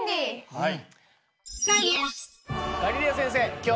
はい。